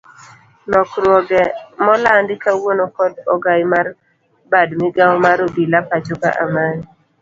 Lokruoge molandi kawuono kod ogai mar bad migao mar obila pachoka Amani.